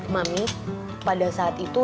mami pada saat itu